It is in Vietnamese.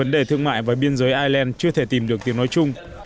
vấn đề thương mại và biên giới ireland chưa thể tìm được tiếng nói chung